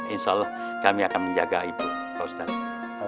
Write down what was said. insya allah kami akan menjaga ibu pak ustadz